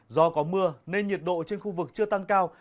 do có mưa nên nhiệt độ trên khu vực chưa tăng cao